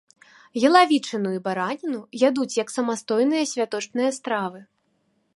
Ялавічыну і бараніну ядуць як самастойныя святочныя стравы.